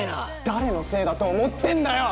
誰のせいだと思ってんだよ！